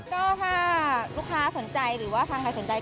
ก็ถ้าลูกค้าสนใจหรือว่าทางใครสนใจ